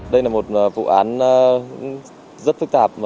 đây là một vụ án rất phức tạp